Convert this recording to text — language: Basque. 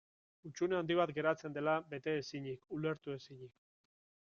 Hutsune handi bat geratzen dela bete ezinik, ulertu ezinik.